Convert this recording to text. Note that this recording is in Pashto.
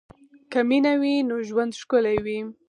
که مینه وي نو ژوند ښکلی وي.